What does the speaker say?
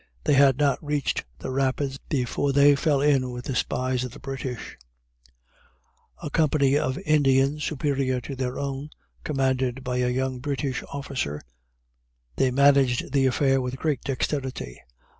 They had not reached the Rapids before they fell in with the spies of the British a company of Indians superior to their own, commanded by a young British officer: they managed the affair with great dexterity.